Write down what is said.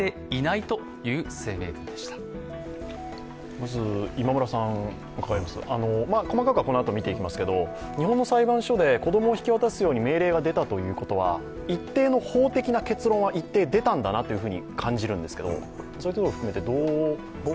まず今村さん、細かくはこのあと見ていきますけど、日本の裁判所で子供を引き渡すよう命令が出たということは一定の法的な結論は出たんだなと感じるんですが、そういうところ含めてどうですか？